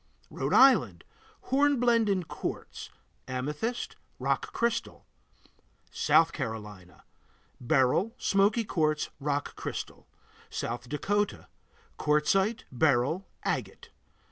Rhode Island Hornblende in quartz, amethyst, rock crystal. South Carolina Beryl, smoky quartz, rock crystal. South Dakota Quartzite, beryl, agate.